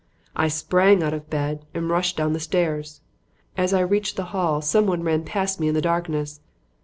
"I sprang out of bed and rushed down the stairs. As I reached the hall, someone ran past me in the darkness.